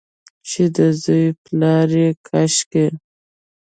چې د زوی پلا یې کاشکي،